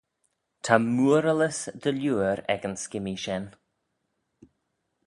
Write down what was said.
Ta mooaralys dy liooar ec yn skimmee shen.